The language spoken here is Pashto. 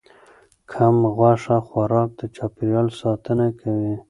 کم غوښه خوراک د چاپیریال ساتنه کوي.